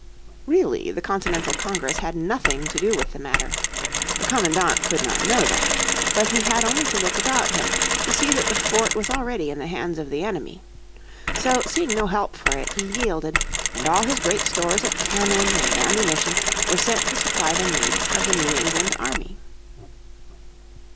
Really the Continental Congress had nothing to do with the matter. The commandment could not know that. But he had only to look about him to see that the fort was already in the hands of the enemy. So seeing no help for it he yielded; and all his great stores of cannon and ammunition were sent to supply the needs of the New England army.